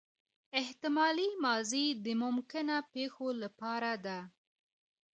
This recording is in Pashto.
احتمالي ماضي د ممکنه پېښو له پاره ده.